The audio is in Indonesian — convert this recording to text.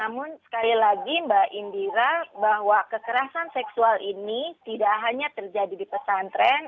namun sekali lagi mbak indira bahwa kekerasan seksual ini tidak hanya terjadi di pesantren